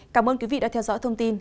cảm ơn quý vị đã theo dõi thông tin